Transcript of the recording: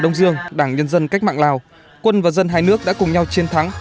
đông dương đảng nhân dân cách mạng lào quân và dân hai nước đã cùng nhau chiến thắng